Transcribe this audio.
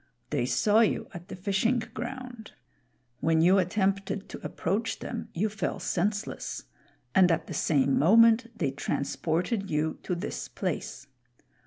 They saw you at the fishing ground. When you attempted to approach them you fell senseless, and at the same moment they transported you to this place.